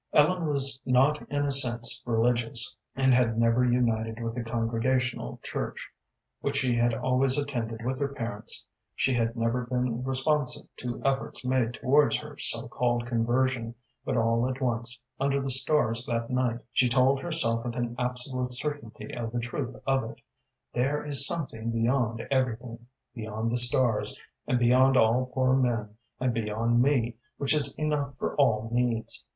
Ellen was not in a sense religious, and had never united with the Congregational Church, which she had always attended with her parents; she had never been responsive to efforts made towards her so called conversion, but all at once, under the stars that night, she told herself with an absolute certainty of the truth of it. "There is something beyond everything, beyond the stars, and beyond all poor men, and beyond me, which is enough for all needs.